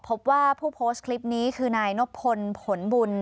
พบว่าผู้โพสต์คลิปนี้คือนายนบพลผลบุญ